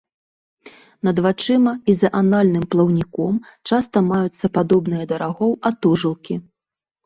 Над вачыма, і за анальным плаўніком часта маюцца падобныя да рагоў атожылкі.